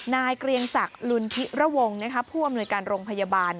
เกรียงศักดิ์ลุนธิระวงผู้อำนวยการโรงพยาบาล